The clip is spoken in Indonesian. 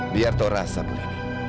biar tora asap leni